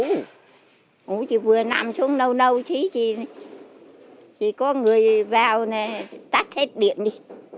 ngủ chị vừa nằm xuống nâu nâu chị có người vào tắt hết điện đi